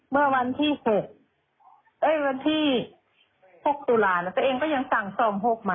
เมื่อวันที่๖ตุลาคมตัวเองก็ยังสั่ง๒๖มานะ